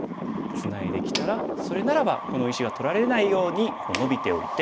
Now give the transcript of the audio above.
ツナいできたらそれならばこの石が取られないようにこうノビておいて。